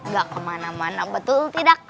gak kemana mana betul tidak